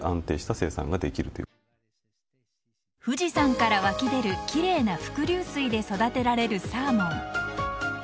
富士山から湧き出る奇麗な伏流水で育てられるサーモン。